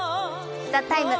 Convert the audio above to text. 「ＴＨＥＴＩＭＥ，」